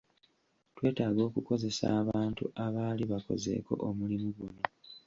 Twetaaga okukozesa abantu abaali bakozeeko omulimu guno.